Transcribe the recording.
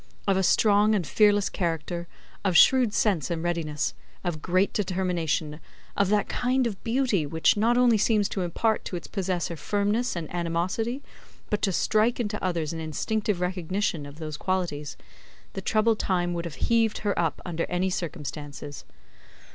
Of a strong and fearless character, of shrewd sense and readiness, of great determination, of that kind of beauty which not only seems to impart to its possessor firmness and animosity, but to strike into others an instinctive recognition of those qualities; the troubled time would have heaved her up, under any circumstances.